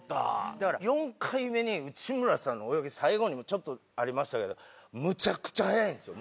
だから４回目に内村さんの泳ぎ最後にもちょっとありましたけどむちゃくちゃ速いんですよ